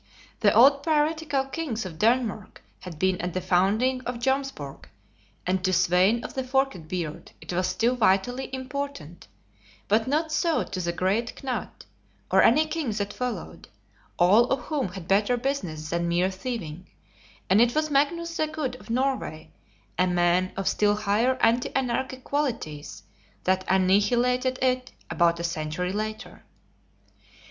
The old piratical kings of Denmark had been at the founding of Jomsburg, and to Svein of the Forked Beard it was still vitally important, but not so to the great Knut, or any king that followed; all of whom had better business than mere thieving; and it was Magnus the Good, of Norway, a man of still higher anti anarchic qualities, that annihilated it, about a century later.